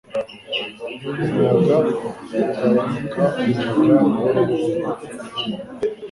Umuyaga ugabanuka umuyaga buhoro buhoro uhuha